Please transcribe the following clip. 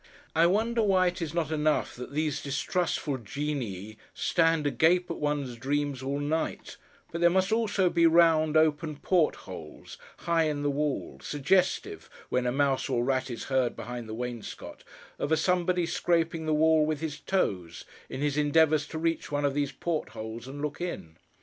I wonder why it is not enough that these distrustful genii stand agape at one's dreams all night, but there must also be round open portholes, high in the wall, suggestive, when a mouse or rat is heard behind the wainscot, of a somebody scraping the wall with his toes, in his endeavours to reach one of these portholes and look in!